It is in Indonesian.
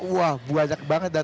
wah banyak banget